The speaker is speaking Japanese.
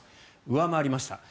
上回りました。